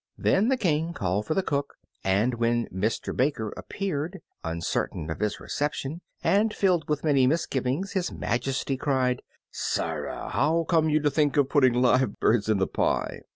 Then the King called for the cook, and when Mister Baker appeared, uncertain of his reception, and filled with many misgivings, His Majesty cried, "Sirrah! how came you to think of putting live birds in the pie?"